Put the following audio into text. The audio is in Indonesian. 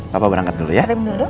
papa berangkat dulu ya